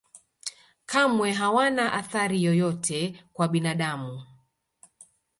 kamwe hawana athari yoyote kwa binadamu